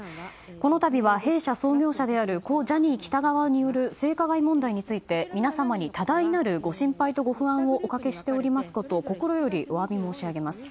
このたびは弊社創業者の故ジャニー喜多川による性加害問題について皆様に多大なるご迷惑とご心配をおかけしていること心よりお詫び申し上げます。